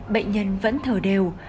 bệnh nhân vẫn thở đều